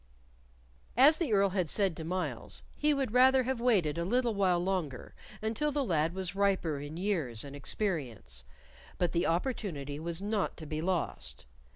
As the Earl had said to Myles, he would rather have waited a little while longer until the lad was riper in years and experience, but the opportunity was not to be lost.